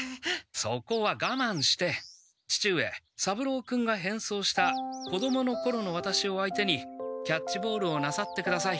そこはがまんして父上三郎君がへんそうした子どものころのワタシを相手にキャッチボールをなさってください。